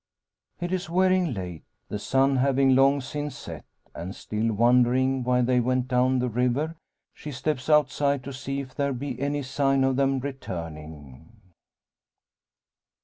It is wearing late, the sun having long since set; and still wondering why they went down the river, she steps outside to see if there he any sign of them returning.